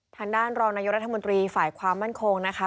ทางด้านรองนายกรัฐมนตรีฝ่ายความมั่นคงนะคะ